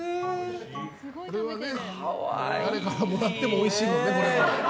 これは誰からもらってもおいしいもんね。